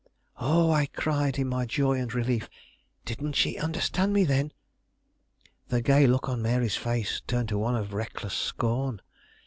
"Oh!" I cried in my joy and relief, "didn't she understand me, then?" The gay look on Mary's face turned to one of reckless scorn.